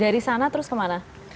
dari sana terus kemana